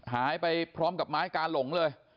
หายไปพร้อมกับไม้กาหลงเลย